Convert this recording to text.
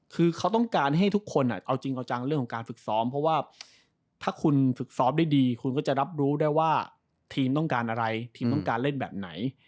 คือเขาต้องการให้ทุกคนเอาจริงเอาจังเรื่องของการฝึกซ้อมเพราะว่าถ้าคุณฝึกซ้อมได้ดีคุณก็จะรับรู้ได้ว่าทีมต้องการอะไรทีมต้องการเล่นแบบไหน